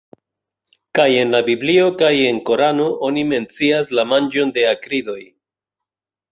Kaj en la Biblio kaj en Korano oni mencias la manĝon de akridoj.